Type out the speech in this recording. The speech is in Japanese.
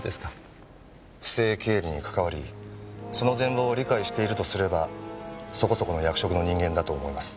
不正経理に関わりその全貌を理解しているとすればそこそこの役職の人間だと思います。